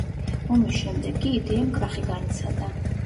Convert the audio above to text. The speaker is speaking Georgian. ომის შემდეგ კი იდეამ კრახი განიცადა.